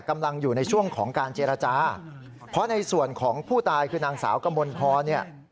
กำลังอยู่ในช่วงของการเจรจาเพราะในส่วนของผู้ตายคือนางสาวกมลพรเนี่ย